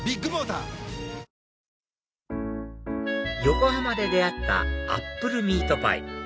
横浜で出会ったアップルミートパイ